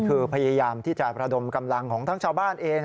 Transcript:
คือพยายามที่จะประดมกำลังของทั้งชาวบ้านเอง